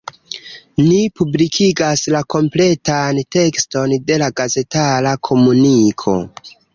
Ni publikigas la kompletan tekston de la gazetara komuniko.